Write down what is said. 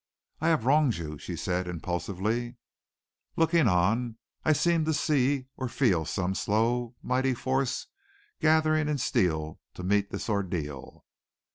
"I have wronged you!" she said impulsively. Looking on, I seemed to see or feel some slow, mighty force gathering in Steele to meet this ordeal.